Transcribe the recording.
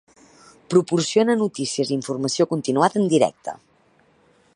Proporciona notícies i informació continuada en directe.